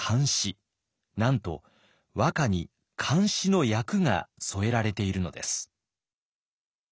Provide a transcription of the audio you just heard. なんと和歌に漢詩の訳が添えられているのです。